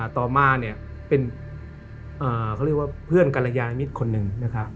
ต่อมาเป็นเพื่อนกรยายมิตรคนหนึ่ง